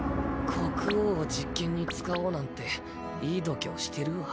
国王を実験に使おうなんていい度胸してるわ。